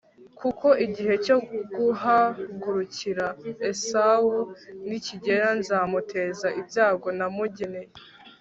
kuko igihe cyo guhagurukira esawu nikigera nzamuteza ibyago namugeneye